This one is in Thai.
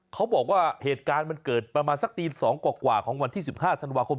เขาบอกว่าเหตุการณ์มันเกิดประมาณสักตี๒กว่าของวันที่๑๕ธันวาคม